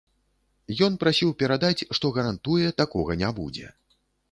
Ён прасіў перадаць, што гарантуе, такога не будзе.